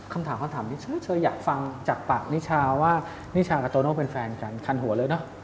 คำถามคำถามนี้เฉยอยากฟังจากปากนิชาว่านิชากับโตโน่เป็นแฟนกันคันหัวเลยเนอะ